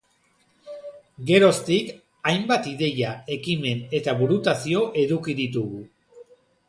Geroztik hainbat ideia, ekimen eta burutazio eduki ditugu.